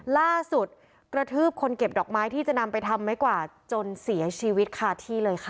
กระทืบคนเก็บดอกไม้ที่จะนำไปทำไม้กวาดจนเสียชีวิตคาที่เลยค่ะ